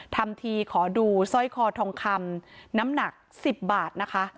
ทำทีขอดูสร้อยคอทองคำน้ำหนัก๑๐บาทนะคะ